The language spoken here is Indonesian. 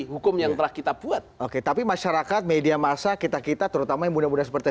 hukum yang telah kita buat oke tapi masyarakat media masa kita kita terutama yang muda muda seperti